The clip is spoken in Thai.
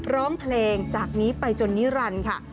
ร้องเพลงจากนี้ไปจนนิรันดิ์ค่ะ